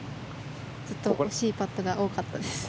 ずっと惜しいパットが多かったです。